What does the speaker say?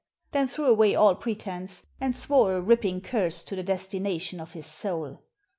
Then threw away all pretense, and swore a ripping curse to the destination of his soul.